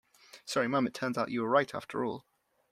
Sorry mum, it turns out you were right after all.